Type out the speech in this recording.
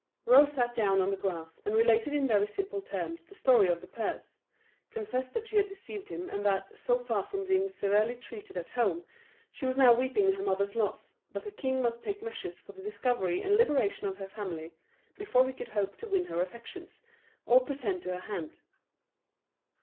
Rose sat down on the grass, and related in very simple terms the story of the purse; confessed that she had deceived him, and that, so far from being severely treated at home, she was now weeping her mother's loss; that the king must take measures for the discovery and liberation of her family, before he could hope to win her affections, or pretend to her hand.